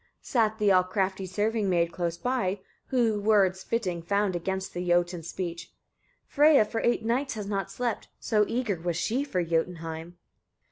29. Sat the all crafty serving maid close by, who words fitting found against the Jotun's speech: "Freyia for eight nights has not slept, so eager was she for Jotunheim."